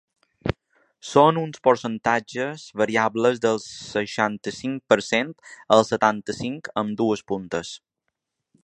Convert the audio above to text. Són uns percentatges variables del seixanta-cinc per cent al setanta-cinc amb dues puntes.